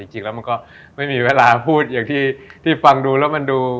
จริงแล้วมันก็ไม่มีเวลาพูดอย่างที่ฟังดูแล้วมันดู